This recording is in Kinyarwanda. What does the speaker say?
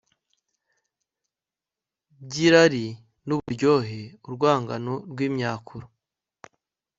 byirari nuburyohe urwungano rwimyakura